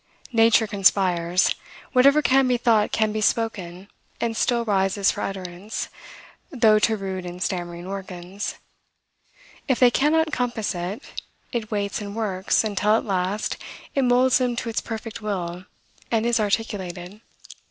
Nature conspires. Whatever can be thought can be spoken, and still rises for utterance, though to rude and stammering organs. If they cannot compass it, it waits and works, until, at last, it moulds them to its perfect will, and is articulated.